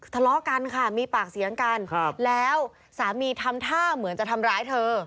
ทะเลาะกันค่ะมีปากเสียงกันแล้วสามีทำท่าเหมือนจะทำร้ายเธอ